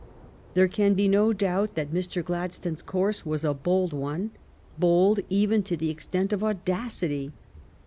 There can be no doubt that Mr. Gladstone's course was a bold one, bold even to the extent of audacity.